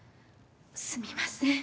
すみません。